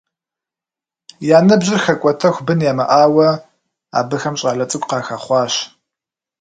Я ныбжьыр хэкӏуэтэху бын ямыӏауэ, абыхэм щӏалэ цӏыкӏу къахэхъуащ.